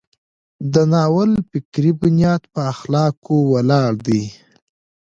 د ناول فکري بنیاد په اخلاقو ولاړ دی.